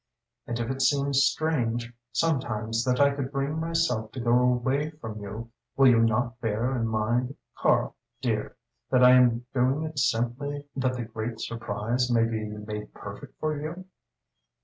And if it seems strange sometimes that I could bring myself to go away from you, will you not bear in mind, Karl dear, that I am doing it simply that the great surprise may be made perfect for you?